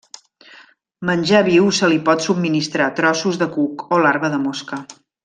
Menjar viu se li pot subministrar trossos de cuc o larva de mosca.